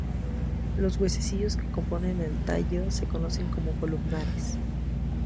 Los huesecillos que componen el tallo se conocen como columnares.